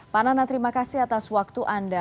pak nana terima kasih atas waktu anda